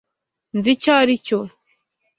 Nzi icyo aricyo.